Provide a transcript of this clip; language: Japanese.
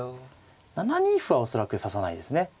７二歩は恐らく指さないですね。